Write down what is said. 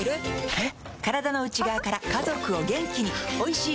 えっ？